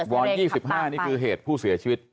๒๕นี่คือเหตุผู้เสียชีวิต